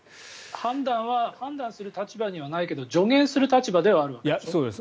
判断する立場にはないけど助言する立場ではあるわけでしょ。